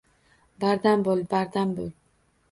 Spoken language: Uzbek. Bardam bo`l, bardam bo`l